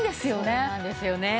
そうなんですよね。